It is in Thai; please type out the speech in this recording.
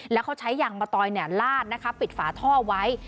แล้วเขาใช้ยางมะตอยลาดนะคะปิดฝาท่อไว้